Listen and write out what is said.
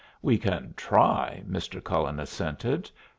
"We can try," Mr. Cullen assented.